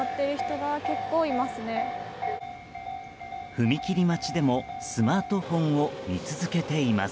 踏切待ちでもスマートフォンを見続けています。